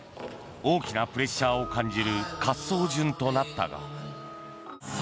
大きなプレッシャーを感じる滑走順となったが。